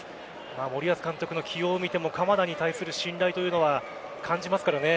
森保監督の起用を見ても鎌田に対する信頼というのは感じますからね。